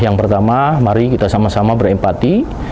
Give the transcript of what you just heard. yang pertama mari kita sama sama berempati